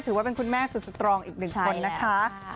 ถือว่าเป็นคุณแม่สุดสตรองอีกหนึ่งคนน่ะ